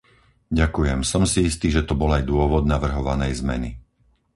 Ďakujem, som si istý, že to bol aj dôvod navrhovanej zmeny.